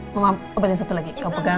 mama obatin satu lagi